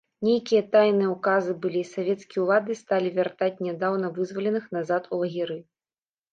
Нейкія тайныя ўказы былі, савецкія ўлады сталі вяртаць нядаўна вызваленых назад у лагеры.